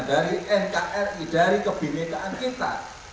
dari nkri dari kebinekaan kita